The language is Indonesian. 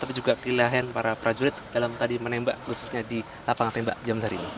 tapi juga pilihan para prajurit dalam tadi menembak khususnya di lapangan tembak jamzar ini